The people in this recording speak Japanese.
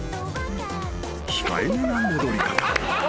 ［控えめな戻り方］